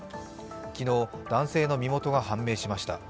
昨日、男性の身元が判明しました。